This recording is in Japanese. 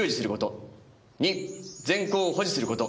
「二善行を保持すること」